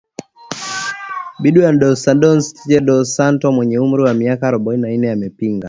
Binti wa Dos Santos Tchize dos Santos mwenye umri wa miaka arobaini na nne amepinga